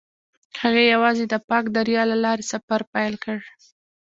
هغوی یوځای د پاک دریا له لارې سفر پیل کړ.